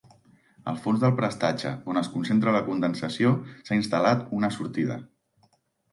Al fons del prestatge, on es concentra la condensació, s'ha instal·lat una sortida.